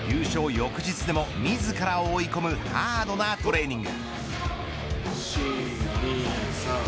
翌日でもみずからを追い込むハードなトレーニング。